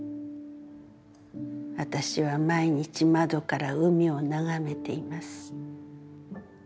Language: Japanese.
私は毎日窓から海をながめています。